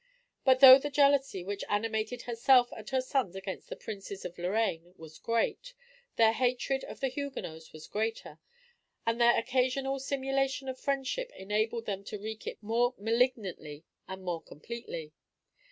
But though the jealousy which animated herself and her sons against the Princes of Lorraine was great, their hatred of the Huguenots was greater; and their occasional simulation of friendship enabled them to wreak it more malignantly and more completely.